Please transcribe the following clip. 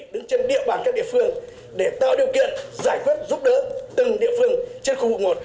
đứng trên địa bàn các địa phương để tạo điều kiện giải quyết giúp đỡ từng địa phương trên khu vực một